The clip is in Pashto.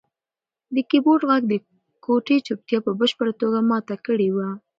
د کیبورډ غږ د کوټې چوپتیا په بشپړه توګه ماته کړې وه.